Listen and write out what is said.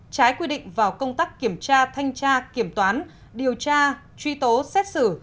trái quy định vào công tác kiểm tra thanh tra kiểm toán điều tra truy tố xét xử